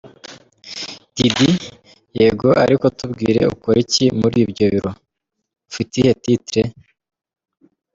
Diddy : Yego ariko tubwire ukora iki muri ibyo biro ? ufite iyihe Title ?.